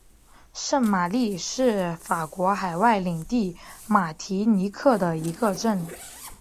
圣玛丽是法国海外领地马提尼克的一个镇。